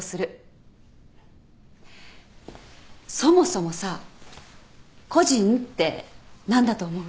そもそもさ個人って何だと思う？